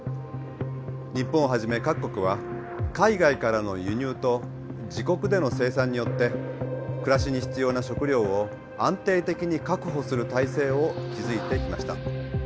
日本をはじめ各国は海外からの輸入と自国での生産によって暮らしに必要な食料を安定的に確保する体制を築いてきました。